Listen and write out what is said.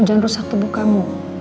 jangan rusak tubuh kamu